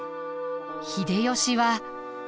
秀吉は。